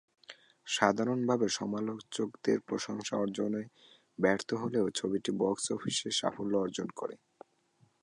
সাধারণভাবে সমালোচকদের প্রশংসা অর্জনে ব্যর্থ হলেও ছবিটি বক্স অফিসে সাফল্য অর্জন করে।